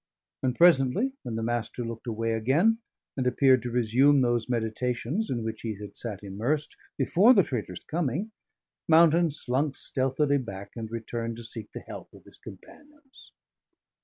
And presently, when the Master looked away again, and appeared to resume those meditations in which he had sat immersed before the trader's coming, Mountain slunk stealthily back and returned to seek the help of his companions.